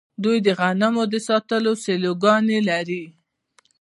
دوی د غنمو د ساتلو سیلوګانې لري.